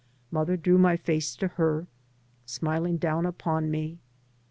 Mother drew my face to her, smiling down upon me.